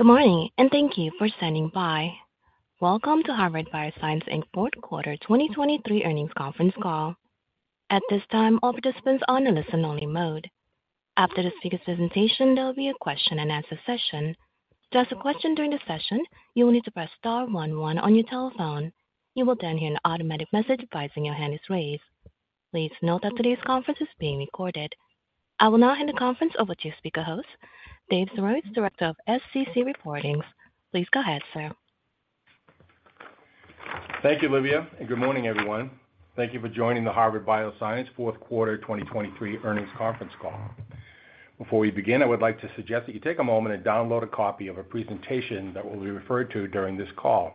Good morning and thank you for standing by. Welcome to Harvard Bioscience, Inc. Fourth Quarter 2023 Earnings Conference Call. At this time, all participants are in a listen-only mode. After the speaker's presentation, there will be a question-and-answer session. To ask a question during the session, you will need to press star 11 on your telephone. You will then hear an automatic message advising your hand is raised. Please note that today's conference is being recorded. I will now hand the conference over to your speaker host, Dave Sirois, Director of SEC Reporting. Please go ahead, sir. Thank you, Livia, and good morning, everyone. Thank you for joining the Harvard Bioscience Fourth Quarter 2023 Earnings Conference Call. Before we begin, I would like to suggest that you take a moment and download a copy of a presentation that will be referred to during this call.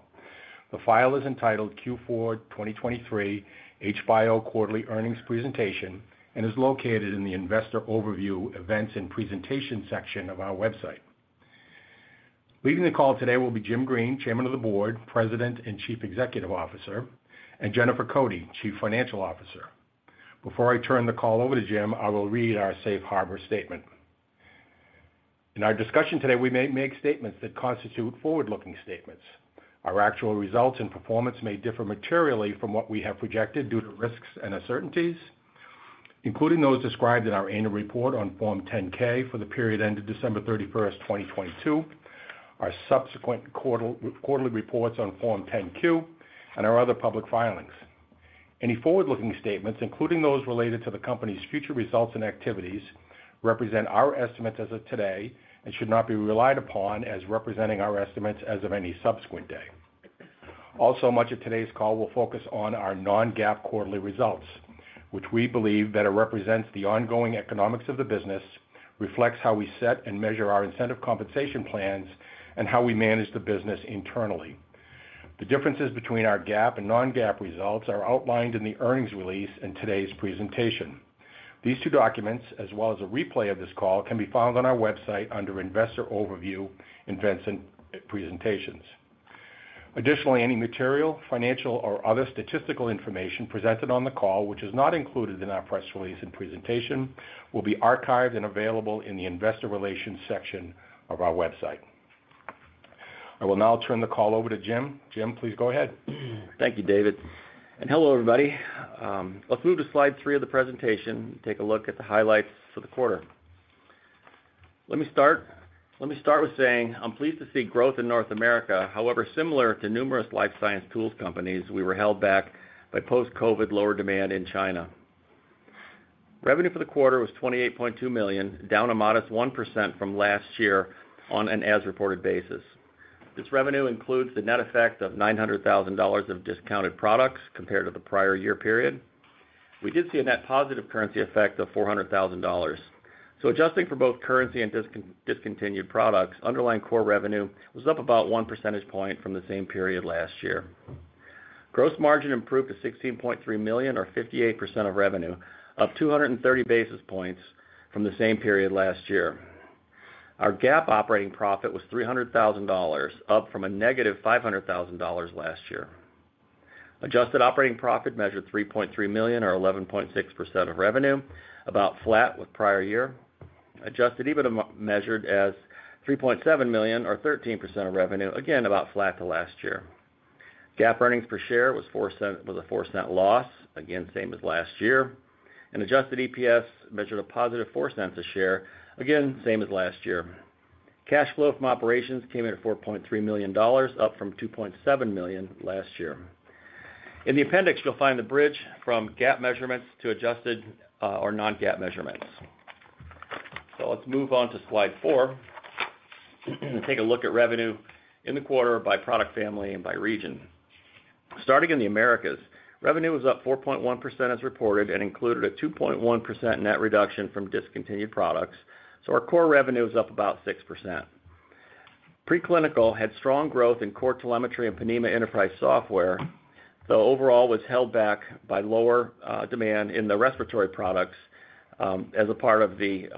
The file is entitled Q4 2023 HBIO Quarterly Earnings Presentation and is located in the Investor Overview Events and Presentations section of our website. Leading the call today will be Jim Green, Chairman of the Board, President and Chief Executive Officer, and Jennifer Cote, Chief Financial Officer. Before I turn the call over to Jim, I will read our Safe Harbor Statement. In our discussion today, we may make statements that constitute forward-looking statements. Our actual results and performance may differ materially from what we have projected due to risks and uncertainties, including those described in our annual report on Form 10-K for the period ended December 31st, 2022, our subsequent quarterly reports on Form 10-Q, and our other public filings. Any forward-looking statements, including those related to the company's future results and activities, represent our estimates as of today and should not be relied upon as representing our estimates as of any subsequent day. Also, much of today's call will focus on our non-GAAP quarterly results, which we believe better represents the ongoing economics of the business, reflects how we set and measure our incentive compensation plans, and how we manage the business internally. The differences between our GAAP and non-GAAP results are outlined in the earnings release in today's presentation. These two documents, as well as a replay of this call, can be found on our website under Investor Overview Events and Presentations. Additionally, any material, financial, or other statistical information presented on the call, which is not included in our press release and presentation, will be archived and available in the Investor Relations section of our website. I will now turn the call over to Jim. Jim, please go ahead. Thank you, Dave. Hello, everybody. Let's move to slide three of the presentation and take a look at the highlights for the quarter. Let me start with saying I'm pleased to see growth in North America. However, similar to numerous life science tools companies, we were held back by post-COVID lower demand in China. Revenue for the quarter was $28.2 million, down a modest 1% from last year on an as-reported basis. This revenue includes the net effect of $900,000 of discounted products compared to the prior year period. We did see a net positive currency effect of $400,000. Adjusting for both currency and discontinued products, underlying core revenue was up about 1 percentage point from the same period last year. Gross margin improved to $16.3 million, or 58% of revenue, up 230 basis points from the same period last year. Our GAAP operating profit was $300,000, up from a negative $500,000 last year. Adjusted operating profit measured $3.3 million, or 11.6% of revenue, about flat with prior year. Adjusted EBITDA measured $3.7 million, or 13% of revenue, again about flat to last year. GAAP earnings per share was a $0.04 loss, again same as last year. Adjusted EPS measured a positive $0.04 a share, again same as last year. Cash flow from operations came in at $4.3 million, up from $2.7 million last year. In the appendix, you'll find the bridge from GAAP measurements to adjusted or non-GAAP measurements. So let's move on to slide 4 and take a look at revenue in the quarter by product family and by region. Starting in the Americas, revenue was up 4.1% as reported and included a 2.1% net reduction from discontinued products. So our core revenue was up about 6%. Preclinical had strong growth in core telemetry and Ponemah Enterprise software, though overall was held back by lower demand in the respiratory products as a part of the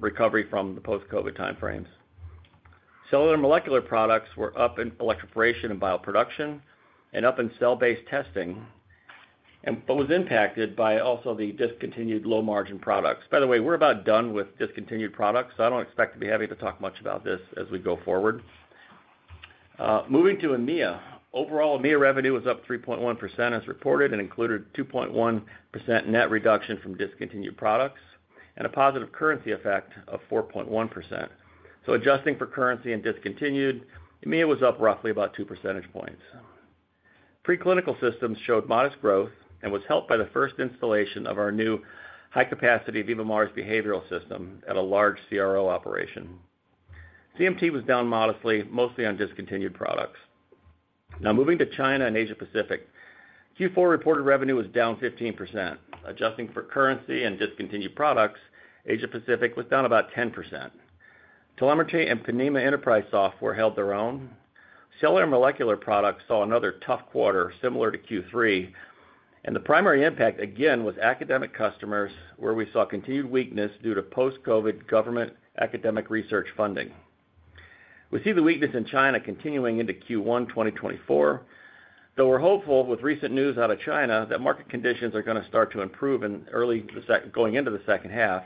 recovery from the post-COVID time frames. Cellular molecular products were up in electroporation and bioproduction and up in cell-based testing, but was impacted by also the discontinued low-margin products. By the way, we're about done with discontinued products, so I don't expect to be having to talk much about this as we go forward. Moving to EMEA, overall EMEA revenue was up 3.1% as reported and included a 2.1% net reduction from discontinued products and a positive currency effect of 4.1%. So adjusting for currency and discontinued, EMEA was up roughly about two percentage points. Preclinical Systems showed modest growth and was helped by the first installation of our new high-capacity VivaMARS behavioral system at a large CRO operation. CMT was down modestly, mostly on discontinued products. Now, moving to China and Asia-Pacific, Q4 reported revenue was down 15%. Adjusting for currency and discontinued products, Asia-Pacific was down about 10%. Telemetry and Ponemah Enterprise software held their own. Cellular molecular products saw another tough quarter similar to Q3. And the primary impact, again, was academic customers, where we saw continued weakness due to post-COVID government academic research funding. We see the weakness in China continuing into Q1 2024, though we're hopeful with recent news out of China that market conditions are going to start to improve going into the second half.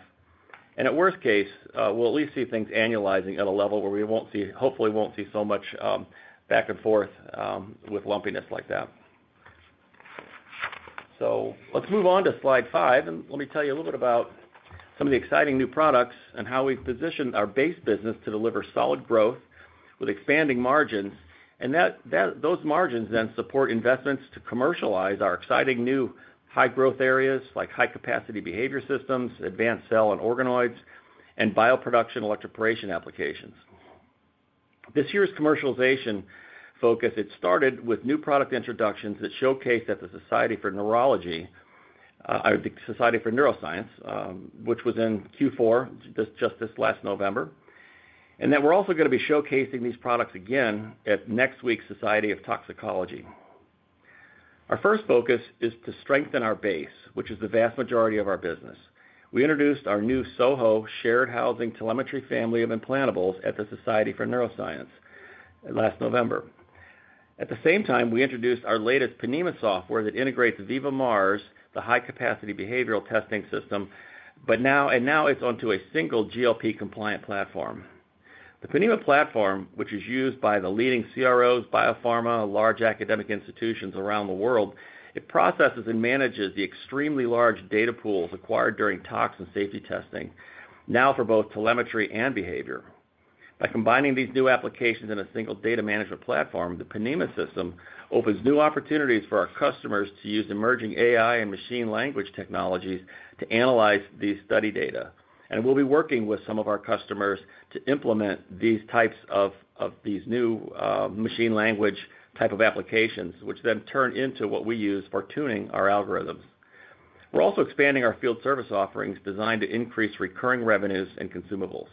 At worst case, we'll at least see things annualizing at a level where we hopefully won't see so much back and forth with lumpiness like that. So let's move on to slide five, and let me tell you a little bit about some of the exciting new products and how we've positioned our base business to deliver solid growth with expanding margins. Those margins then support investments to commercialize our exciting new high-growth areas like high-capacity behavior systems, advanced cell and organoids, and bioproduction electroporation applications. This year's commercialization focus, it started with new product introductions that showcased at the Society for Neuroscience, which was in Q4 just this last November, and that we're also going to be showcasing these products again at next week's Society of Toxicology. Our first focus is to strengthen our base, which is the vast majority of our business. We introduced our new SoHo shared housing telemetry family of implantables at the Society for Neuroscience last November. At the same time, we introduced our latest Ponemah software that integrates VivaMARS, the high-capacity behavioral testing system, and now it's onto a single GLP-compliant platform. The Ponemah platform, which is used by the leading CROs, biopharma, large academic institutions around the world, it processes and manages the extremely large data pools acquired during tox and safety testing, now for both telemetry and behavior. By combining these new applications in a single data management platform, the Ponemah system opens new opportunities for our customers to use emerging AI and machine learning technologies to analyze these study data. We'll be working with some of our customers to implement these types of these new machine learning type of applications, which then turn into what we use for tuning our algorithms. We're also expanding our field service offerings designed to increase recurring revenues and consumables.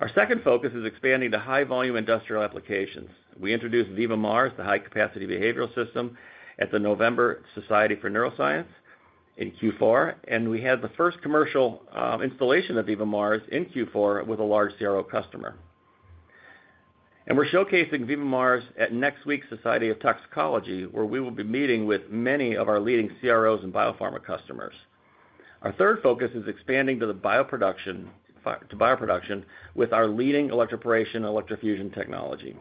Our second focus is expanding to high-volume industrial applications. We introduced VivaMARS, the high-capacity behavioral system, at the November Society for Neuroscience in Q4, and we had the first commercial installation of VivaMARS in Q4 with a large CRO customer. We're showcasing VivaMARS at next week's Society of Toxicology, where we will be meeting with many of our leading CROs and biopharma customers. Our third focus is expanding to bioproduction with our leading electroporation and electrofusion technology.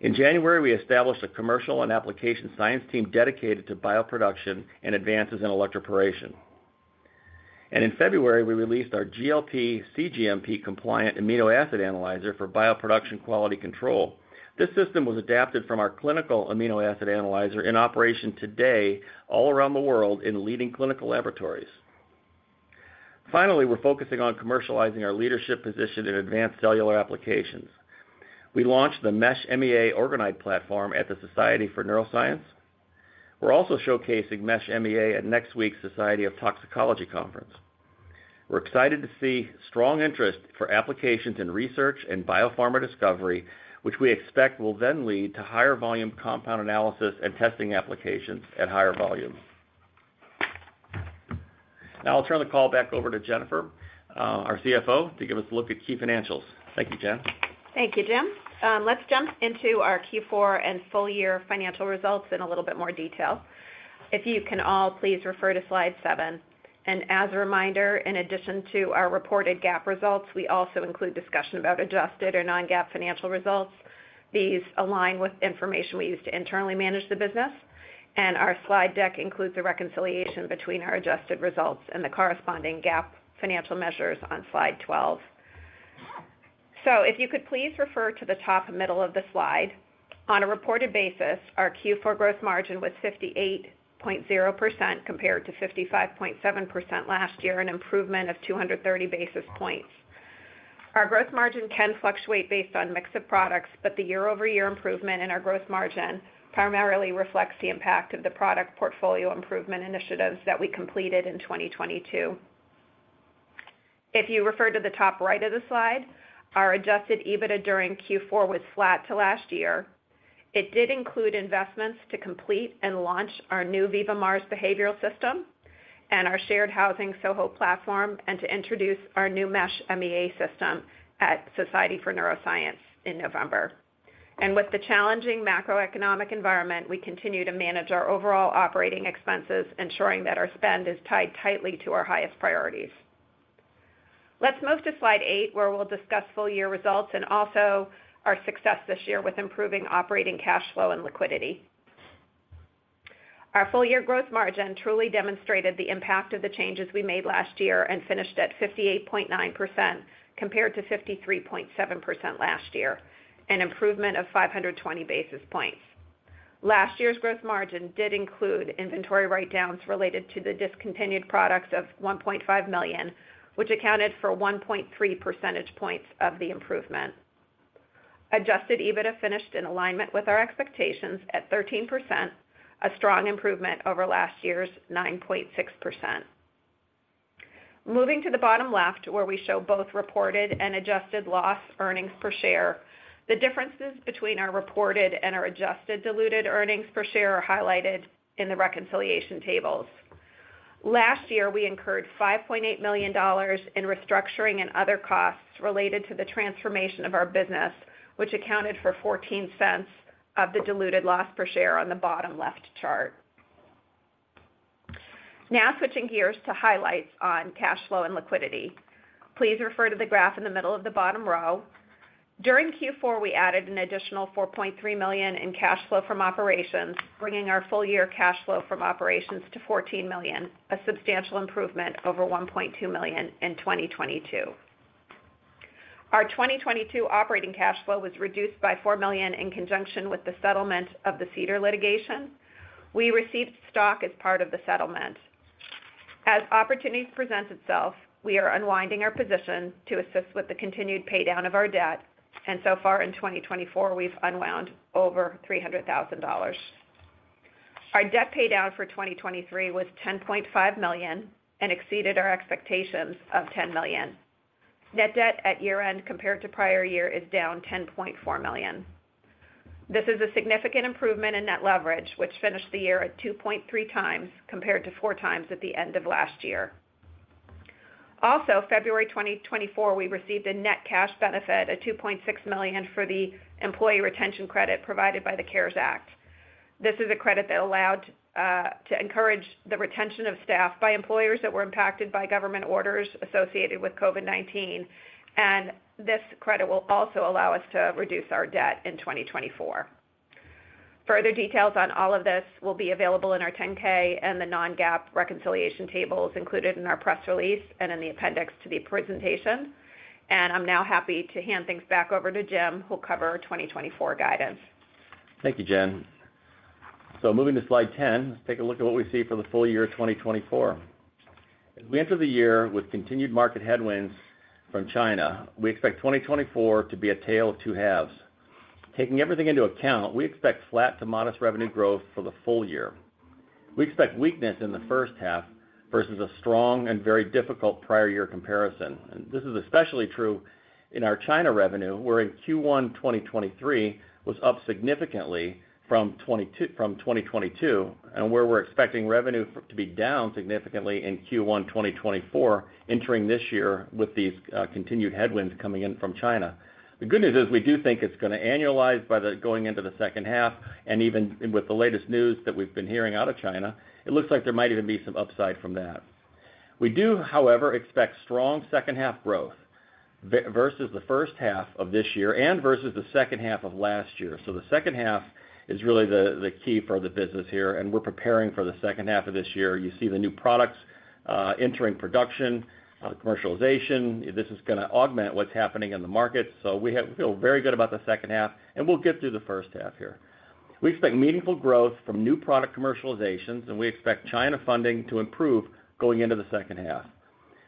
In January, we established a commercial and application science team dedicated to bioproduction and advances in electroporation. In February, we released our GLP/cGMP-compliant Amino Acid Analyzer for bioproduction quality control. This system was adapted from our clinical amino acid analyzer in operation today all around the world in leading clinical laboratories. Finally, we're focusing on commercializing our leadership position in advanced cellular applications. We launched the Mesh MEA organoid platform at the Society for Neuroscience. We're also showcasing Mesh MEA at next week's Society of Toxicology conference. We're excited to see strong interest for applications in research and biopharma discovery, which we expect will then lead to higher-volume compound analysis and testing applications at higher volumes. Now, I'll turn the call back over to Jennifer, our CFO, to give us a look at key financials. Thank you, Jen. Thank you, Jim. Let's jump into our Q4 and full-year financial results in a little bit more detail. If you can all please refer to slide 7. As a reminder, in addition to our reported GAAP results, we also include discussion about adjusted or non-GAAP financial results. These align with information we use to internally manage the business. Our slide deck includes a reconciliation between our adjusted results and the corresponding GAAP financial measures on slide 12. If you could please refer to the top middle of the slide. On a reported basis, our Q4 gross margin was 58.0% compared to 55.7% last year, an improvement of 230 basis points. Our gross margin can fluctuate based on mix of products, but the year-over-year improvement in our gross margin primarily reflects the impact of the product portfolio improvement initiatives that we completed in 2022. If you refer to the top right of the slide, our adjusted EBITDA during Q4 was flat to last year. It did include investments to complete and launch our new VivaMARS behavioral system and our shared housing SoHo platform and to introduce our new Mesh MEA system at Society for Neuroscience in November. With the challenging macroeconomic environment, we continue to manage our overall operating expenses, ensuring that our spend is tied tightly to our highest priorities. Let's move to slide 8, where we'll discuss full-year results and also our success this year with improving operating cash flow and liquidity. Our full-year gross margin truly demonstrated the impact of the changes we made last year and finished at 58.9% compared to 53.7% last year, an improvement of 520 basis points. Last year's gross margin did include inventory write-downs related to the discontinued products of $1.5 million, which accounted for 1.3 percentage points of the improvement. Adjusted EBITDA finished in alignment with our expectations at 13%, a strong improvement over last year's 9.6%. Moving to the bottom left, where we show both reported and adjusted loss earnings per share, the differences between our reported and our adjusted diluted earnings per share are highlighted in the reconciliation tables. Last year, we incurred $5.8 million in restructuring and other costs related to the transformation of our business, which accounted for $0.14 of the diluted loss per share on the bottom left chart. Now switching gears to highlights on cash flow and liquidity. Please refer to the graph in the middle of the bottom row. During Q4, we added an additional $4.3 million in cash flow from operations, bringing our full-year cash flow from operations to $14 million, a substantial improvement over $1.2 million in 2022. Our 2022 operating cash flow was reduced by $4 million in conjunction with the settlement of the Cedar litigation. We received stock as part of the settlement. As opportunity presents itself, we are unwinding our position to assist with the continued paydown of our debt. So far in 2024, we've unwound over $300,000. Our debt paydown for 2023 was $10.5 million and exceeded our expectations of $10 million. Net debt at year-end compared to prior year is down $10.4 million. This is a significant improvement in net leverage, which finished the year at 2.3x compared to 4x at the end of last year. Also, February 2024, we received a net cash benefit of $2.6 million for the Employee Retention Credit provided by the CARES Act. This is a credit that allowed to encourage the retention of staff by employers that were impacted by government orders associated with COVID-19. This credit will also allow us to reduce our debt in 2024. Further details on all of this will be available in our 10-K and the non-GAAP reconciliation tables included in our press release and in the appendix to the presentation. I'm now happy to hand things back over to Jim, who'll cover our 2024 guidance. Thank you, Jen. So moving to slide 10, let's take a look at what we see for the full year 2024. As we enter the year with continued market headwinds from China, we expect 2024 to be a tale of two halves. Taking everything into account, we expect flat to modest revenue growth for the full year. We expect weakness in the first half versus a strong and very difficult prior year comparison. And this is especially true in our China revenue, where in Q1 2023 was up significantly from 2022 and where we're expecting revenue to be down significantly in Q1 2024 entering this year with these continued headwinds coming in from China. The good news is we do think it's going to annualize by going into the second half. Even with the latest news that we've been hearing out of China, it looks like there might even be some upside from that. We do, however, expect strong second-half growth versus the first half of this year and versus the second half of last year. So the second half is really the key for the business here, and we're preparing for the second half of this year. You see the new products entering production, commercialization. This is going to augment what's happening in the markets. So we feel very good about the second half, and we'll get through the first half here. We expect meaningful growth from new product commercializations, and we expect China funding to improve going into the second half.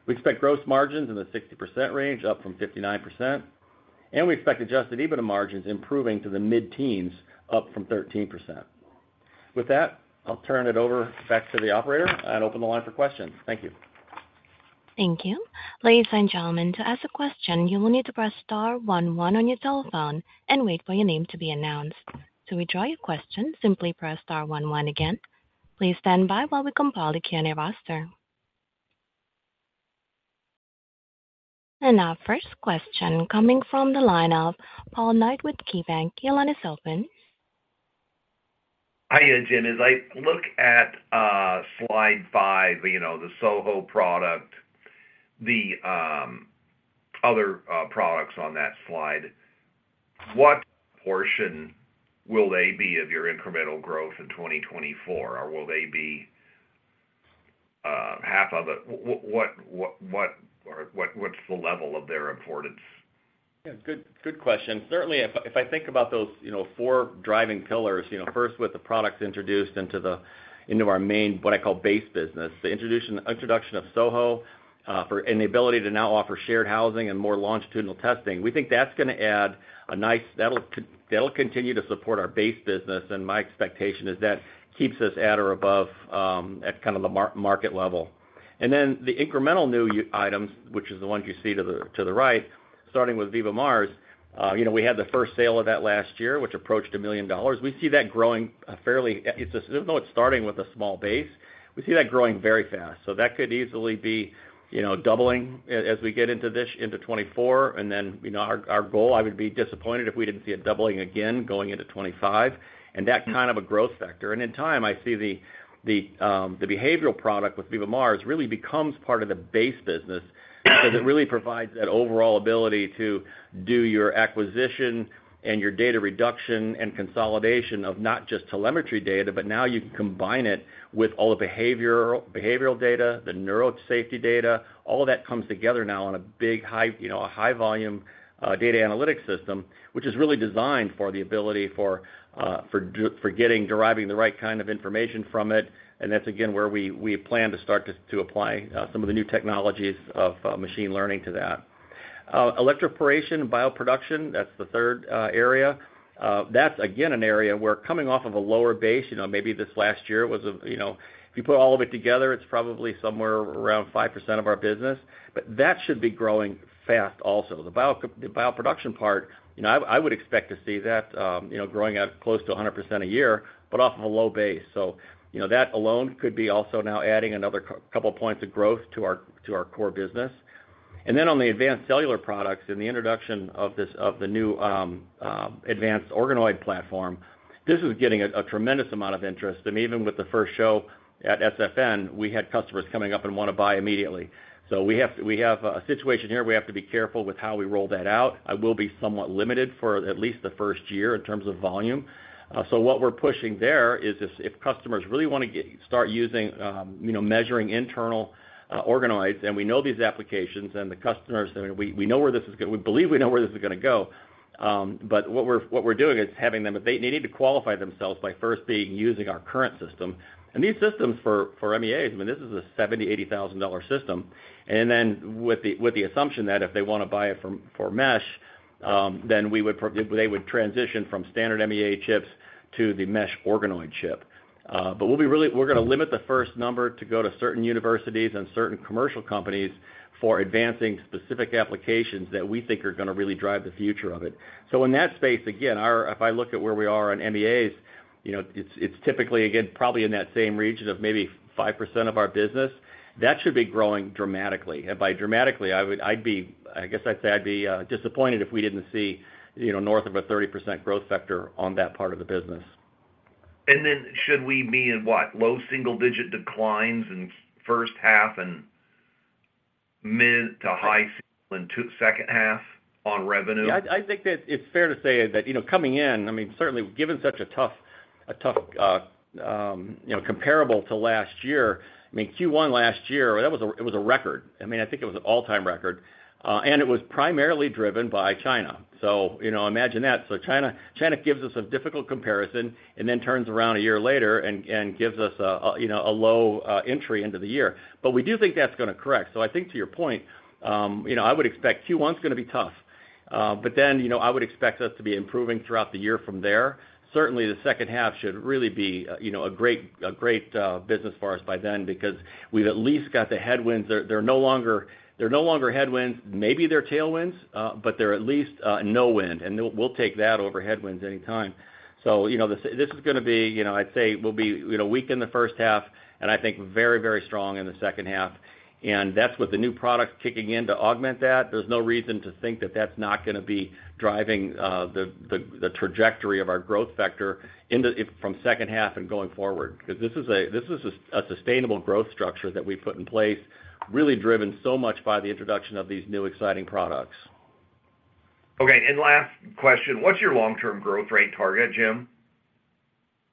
We expect gross margins in the 60% range, up from 59%. And we expect adjusted EBITDA margins improving to the mid-teens, up from 13%. With that, I'll turn it over back to the operator and open the line for questions. Thank you. Thank you. Ladies and gentlemen, to ask a question, you will need to press star 11 on your telephone and wait for your name to be announced. To withdraw your question, simply press star 11 again. Please stand by while we compile the Q&A roster. And our first question coming from the line of Paul Knight with KeyBanc. Your line is open. Hiya, Jim. As I look at slide 5, the SoHo product, the other products on that slide, what portion will they be of your incremental growth in 2024, or will they be half of it? What's the level of their importance? Yeah, good question. Certainly, if I think about those four driving pillars, first with the products introduced into our main, what I call, base business, the introduction of SoHo and the ability to now offer shared housing and more longitudinal testing, we think that's going to add a nice that'll continue to support our base business. And my expectation is that keeps us at or above at kind of the market level. And then the incremental new items, which is the ones you see to the right, starting with VivaMARS, we had the first sale of that last year, which approached $1 million. We see that growing fairly even though it's starting with a small base, we see that growing very fast. So that could easily be doubling as we get into 2024. And then our goal, I would be disappointed if we didn't see it doubling again going into 2025. And that kind of a growth factor. And in time, I see the behavioral product with VivaMARS really becomes part of the base business because it really provides that overall ability to do your acquisition and your data reduction and consolidation of not just telemetry data, but now you can combine it with all the behavioral data, the neuro safety data. All of that comes together now on a big high-volume data analytics system, which is really designed for the ability for getting, deriving the right kind of information from it. And that's, again, where we plan to start to apply some of the new technologies of machine learning to that. Electroporation and bioproduction, that's the third area. That's again an area where coming off of a lower base, maybe this last year was a if you put all of it together, it's probably somewhere around 5% of our business. But that should be growing fast also. The bioproduction part, I would expect to see that growing at close to 100% a year, but off of a low base. So that alone could be also now adding another couple of points of growth to our core business. And then on the advanced cellular products and the introduction of the new advanced organoid platform, this is getting a tremendous amount of interest. And even with the first show at SFN, we had customers coming up and want to buy immediately. So we have a situation here. We have to be careful with how we roll that out. I will be somewhat limited for at least the first year in terms of volume. So what we're pushing there is if customers really want to start using, measuring internal organoids, and we know these applications, and the customers I mean, we know where this is going to we believe we know where this is going to go. But what we're doing is having them if they needed to qualify themselves by first being using our current system. And these systems for MEAs, I mean, this is a $70,000-$80,000 system. And then with the assumption that if they want to buy it for Mesh, then they would transition from standard MEA chips to the Mesh organoid chip. But we're going to limit the first number to go to certain universities and certain commercial companies for advancing specific applications that we think are going to really drive the future of it. So in that space, again, if I look at where we are on MEAs, it's typically, again, probably in that same region of maybe 5% of our business. That should be growing dramatically. And by dramatically, I'd be I guess I'd say I'd be disappointed if we didn't see north of a 30% growth factor on that part of the business. And then should we mean what, low-single-digit declines in first half and mid-to-high-single in second half on revenue? Yeah, I think that it's fair to say that coming in, I mean, certainly given such a tough comparable to last year, I mean, Q1 last year, it was a record. I mean, I think it was an all-time record. And it was primarily driven by China. So imagine that. So China gives us a difficult comparison and then turns around a year later and gives us a low entry into the year. But we do think that's going to correct. So I think to your point, I would expect Q1 is going to be tough. But then I would expect us to be improving throughout the year from there. Certainly, the second half should really be a great business for us by then because we've at least got the headwinds. They're no longer headwinds. Maybe they're tailwinds, but they're at least no wind. And we'll take that over headwinds anytime. So this is going to be, I'd say, we'll be weak in the first half and I think very, very strong in the second half. And that's with the new products kicking in to augment that. There's no reason to think that that's not going to be driving the trajectory of our growth factor from second half and going forward because this is a sustainable growth structure that we put in place, really driven so much by the introduction of these new exciting products. Okay. Last question. What's your long-term growth rate target, Jim?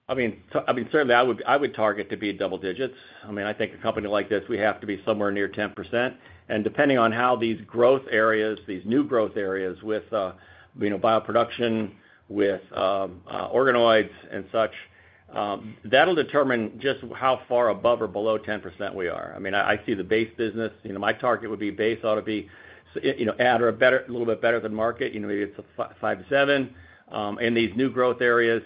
I mean, certainly, I would target to be double digits. I mean, I think a company like this, we have to be somewhere near 10%. And depending on how these growth areas, these new growth areas with bioproduction, with organoids and such, that'll determine just how far above or below 10% we are. I mean, I see the base business. My target would be base ought to be at or a little bit better than market. Maybe it's a 5-7. And these new growth areas,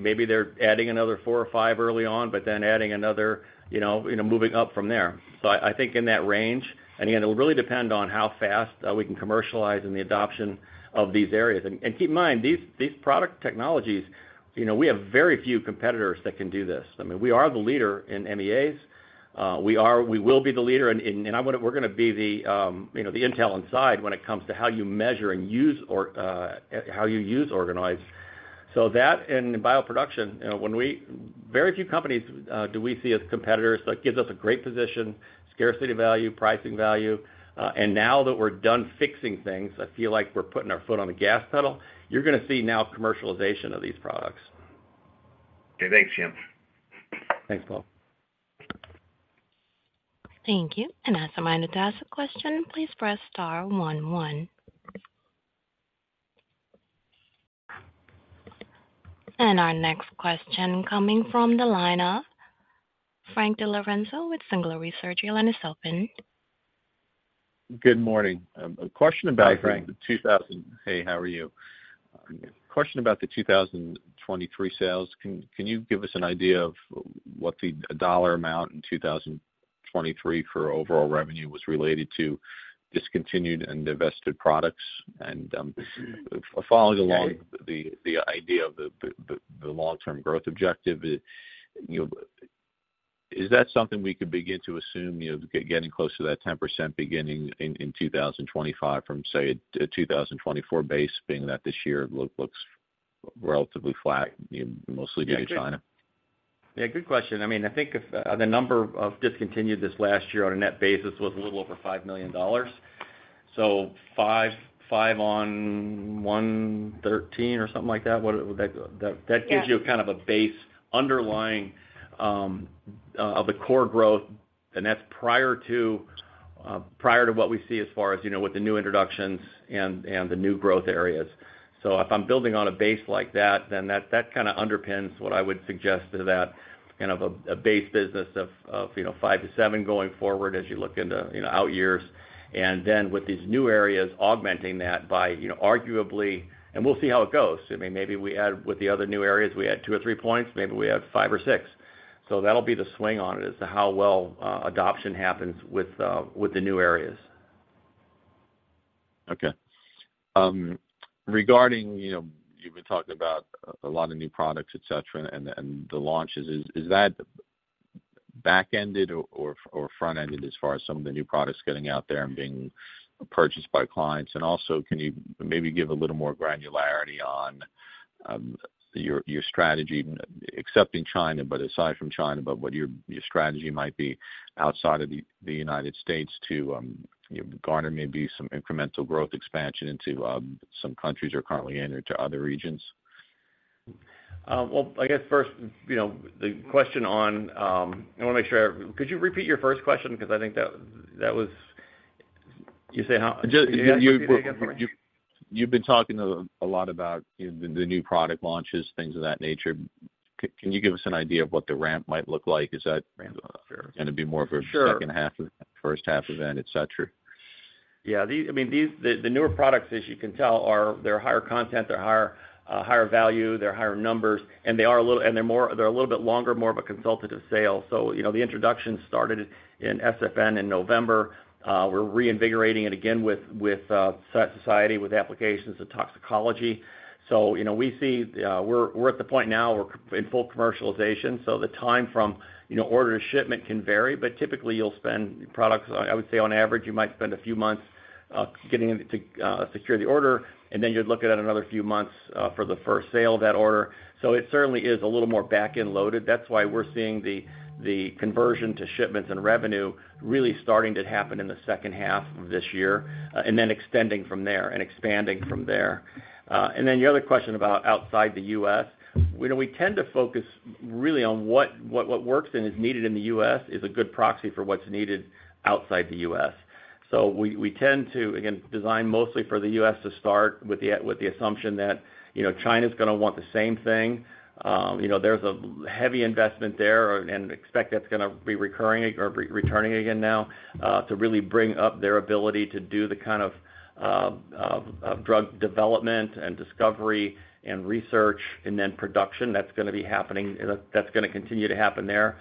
maybe they're adding another 4 or 5 early on, but then adding another moving up from there. So I think in that range. And again, it'll really depend on how fast we can commercialize and the adoption of these areas. And keep in mind, these product technologies, we have very few competitors that can do this. I mean, we are the leader in MEAs. We will be the leader. And we're going to be the intel inside when it comes to how you measure and use organoids. So that and bioproduction, when we very few companies do we see as competitors. So it gives us a great position, scarcity value, pricing value. And now that we're done fixing things, I feel like we're putting our foot on the gas pedal. You're going to see now commercialization of these products. Okay. Thanks, Jim. Thanks, Paul. Thank you. And as someone who has a question, please press star 1. And our next question is coming from the line of Frank DiLorenzo with Singular Research. Your line is open. Good morning. A question about the 2023, hey, how are you? A question about the 2023 sales. Can you give us an idea of what the dollar amount in 2023 for overall revenue was related to discontinued and divested products? And following along the idea of the long-term growth objective, is that something we could begin to assume getting close to that 10% beginning in 2025 from, say, a 2024 base, being that this year looks relatively flat, mostly due to China? Yeah, good question. I mean, I think the number of discontinued this last year on a net basis was a little over $5 million. So, 5 on $113 or something like that, that gives you kind of a base underlying of the core growth. And that's prior to what we see as far as with the new introductions and the new growth areas. So if I'm building on a base like that, then that kind of underpins what I would suggest to that kind of a base business of 5%-7% going forward as you look into out years. And then with these new areas, augmenting that by, arguably, and we'll see how it goes. I mean, maybe we add with the other new areas, we add 2 or 3 points. Maybe we add 5 or 6. That'll be the swing on it as to how well adoption happens with the new areas. Okay. You've been talking about a lot of new products, etc., and the launches. Is that back-ended or front-ended as far as some of the new products getting out there and being purchased by clients? And also, can you maybe give a little more granularity on your strategy, accepting China, but aside from China, but what your strategy might be outside of the United States to garner maybe some incremental growth expansion into some countries you're currently in or to other regions? Well, I guess first, the question on, I want to make sure. Could you repeat your first question because I think that was you say how? Yeah. You've been talking a lot about the new product launches, things of that nature. Can you give us an idea of what the ramp might look like? Is that going to be more of a second half of that, first half of that, etc.? Yeah. I mean, the newer products, as you can tell, they're higher content. They're higher value. They're higher numbers. And they're a little bit longer, more of a consultative sale. So the introduction started in SFN in November. We're reinvigorating it again with the Society of Toxicology. So we see we're at the point now we're in full commercialization. So the time from order to shipment can vary. But typically, you'll see products I would say on average, you might spend a few months getting to secure the order. And then you'd look at it another few months for the first shipment of that order. So it certainly is a little more back-end loaded. That's why we're seeing the conversion to shipments and revenue really starting to happen in the second half of this year and then extending from there and expanding from there. And then your other question about outside the U.S., we tend to focus really on what works and is needed in the U.S. is a good proxy for what's needed outside the U.S. So we tend to, again, design mostly for the U.S. to start with the assumption that China is going to want the same thing. There's a heavy investment there and expect that's going to be recurring or returning again now to really bring up their ability to do the kind of drug development and discovery and research and then production. That's going to be happening. That's going to continue to happen there.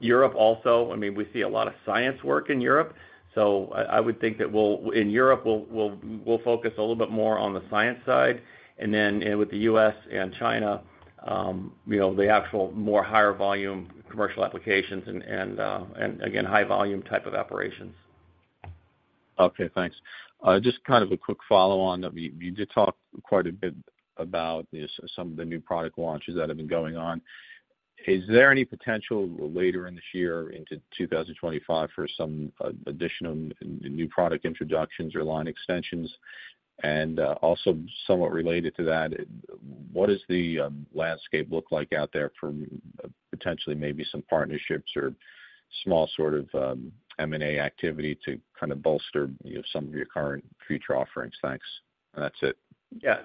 Europe also, I mean, we see a lot of science work in Europe. So I would think that in Europe, we'll focus a little bit more on the science side. And then with the U.S. and China, the actual more higher volume commercial applications and, again, high-volume type of operations. Okay. Thanks. Just kind of a quick follow-on. You did talk quite a bit about some of the new product launches that have been going on. Is there any potential later in this year into 2025 for some additional new product introductions or line extensions? And also somewhat related to that, what does the landscape look like out there for potentially maybe some partnerships or small sort of M&A activity to kind of bolster some of your current future offerings? Thanks. And that's it. Yeah.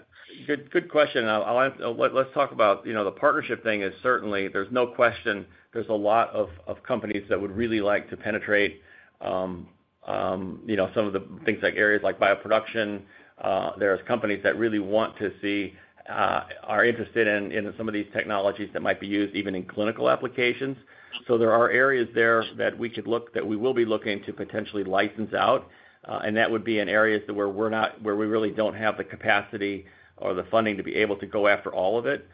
Good question. Let's talk about the partnership thing is certainly. There's no question there's a lot of companies that would really like to penetrate some of the things like areas like bioproduction. There are companies that really want to see, are interested in some of these technologies that might be used even in clinical applications. So there are areas there that we could look, that we will be looking to potentially license out. And that would be in areas where we really don't have the capacity or the funding to be able to go after all of it.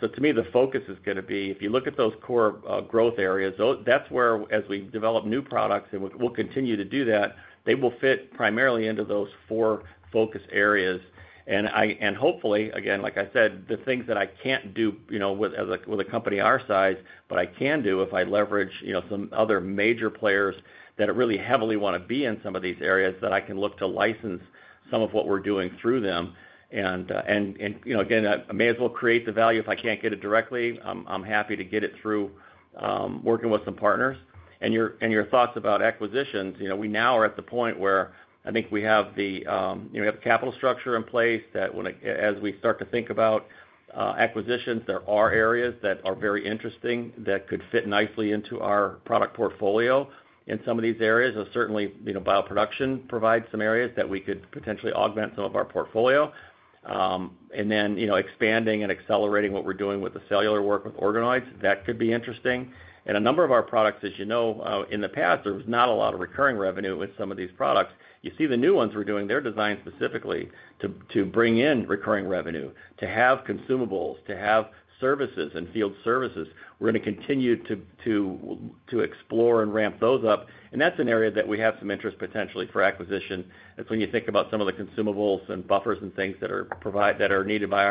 So to me, the focus is going to be if you look at those core growth areas, that's where as we develop new products and we'll continue to do that, they will fit primarily into those four focus areas. And hopefully, again, like I said, the things that I can't do with a company our size, but I can do if I leverage some other major players that really heavily want to be in some of these areas that I can look to license some of what we're doing through them. And again, I may as well create the value. If I can't get it directly, I'm happy to get it through working with some partners. And your thoughts about acquisitions, we now are at the point where I think we have the capital structure in place that as we start to think about acquisitions, there are areas that are very interesting that could fit nicely into our product portfolio in some of these areas. And certainly, bioproduction provides some areas that we could potentially augment some of our portfolio. And then expanding and accelerating what we're doing with the cellular work with organoids, that could be interesting. And a number of our products, as you know, in the past, there was not a lot of recurring revenue with some of these products. You see the new ones we're doing, they're designed specifically to bring in recurring revenue, to have consumables, to have services and field services. We're going to continue to explore and ramp those up. And that's an area that we have some interest potentially for acquisition. It's when you think about some of the consumables and buffers and things that are needed by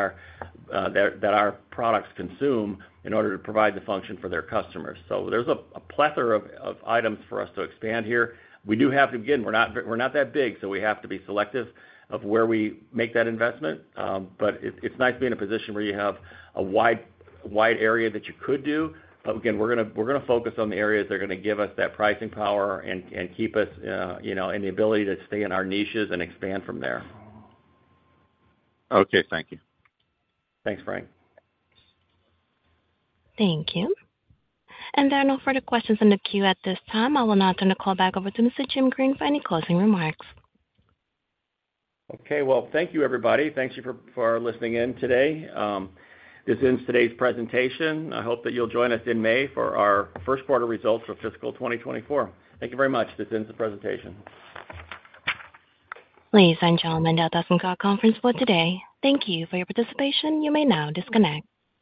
our products consume in order to provide the function for their customers. So there's a plethora of items for us to expand here. We do have to again, we're not that big. We have to be selective of where we make that investment. But it's nice being in a position where you have a wide area that you could do. But again, we're going to focus on the areas that are going to give us that pricing power and keep us in the ability to stay in our niches and expand from there. Okay. Thank you. Thanks, Frank. Thank you. There are no further questions in the queue at this time. I will now turn the call back over to Mr. Jim Green for any closing remarks. Okay. Well, thank you, everybody. Thank you for listening in today. This ends today's presentation. I hope that you'll join us in May for our first quarter results for fiscal 2024. Thank you very much. This ends the presentation. Please enjoy the remainder of the conference call today. Thank you for your participation. You may now disconnect.